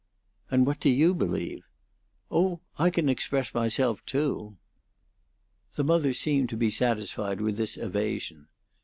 "And what do you believe?" "Oh, I can express myself, too." The mother seemed to be satisfied with this evasion.